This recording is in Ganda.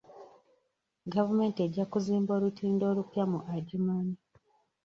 Gavumenti ejja kuzimba olutindo olupya mu Adjumani.